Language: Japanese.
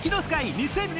２０２２